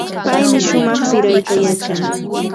Paymi shumaq sirayta yachan.